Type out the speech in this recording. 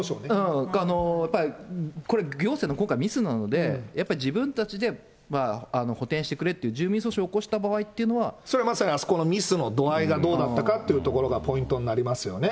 やっぱり、これ、行政の今回、ミスなので、やっぱり自分たちで補填してくれって住民訴訟を起こした場合といそれはまさに、あそこのミスの度合いがどうだったかっていうところがポイントになりますよね。